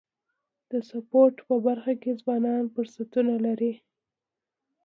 د سپورټ په برخه کي ځوانان فرصتونه لري.